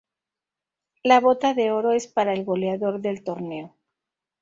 La Bota de Oro es para el goleador del torneo.